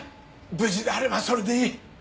無事であればそれでいい。